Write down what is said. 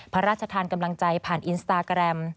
พระราชทานกำลังใจผ่านอินสตาแกรม